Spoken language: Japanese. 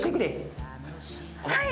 はい。